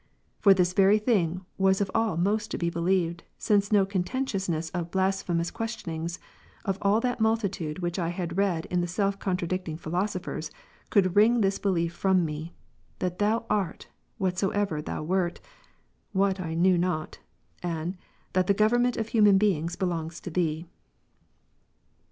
" For this very thing was of all most to be believed, since no contentiousness of blasphemous questionings, of all that multitude which I had read in the self contradicting philosophers, could wring this belief from me, "That Thou "art" whatsoever Thou wert, (what I knew not,) and "That " the government of human things belongs to Thee."